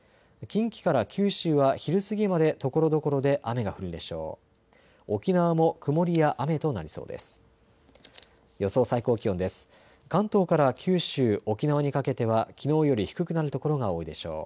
近畿から九州は昼過ぎまでところどころで雨が降るでしょう。